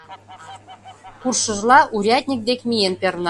Куржшыжла, урядник дек миен перна.